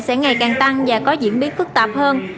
sẽ ngày càng tăng và có diễn biến phức tạp hơn